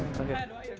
untuk menulis keputusan